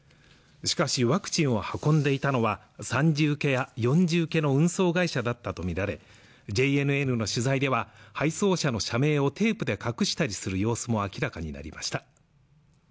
しかしワクチンを運んでいたのは３次請けや４次請けの運送会社だったと見られＪＮＮの取材では配送車の車名をテープで隠したりする様子も明らかになりました